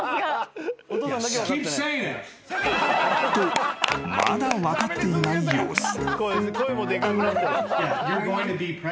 ［とまだ分かっていない様子］